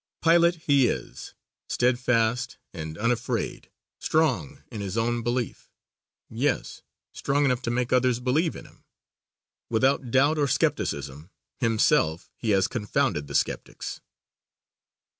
Pilot he is, steadfast and unafraid, strong in his own belief, yes strong enough to make others believe in him. Without doubt or skepticism, himself he has confounded the skeptics.